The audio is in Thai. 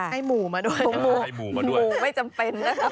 ให้หมู่มาด้วยหมู่ไม่จำเป็นนะครับ